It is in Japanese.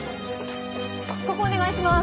ここお願いします。